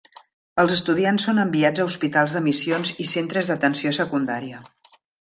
Els estudiants són enviats a hospitals de missions i centres d'atenció secundària.